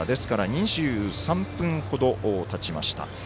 ２３分ほどたちました。